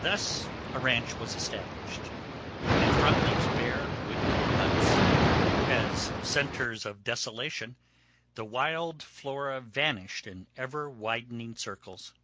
Thus a ranch was established, and from these bare wooden huts, as centers of desolation, the wild flora vanished in ever widening circles.